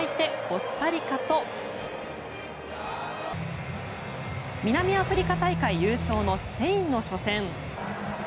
コスタリカと南アフリカ大会優勝のスペインの初戦。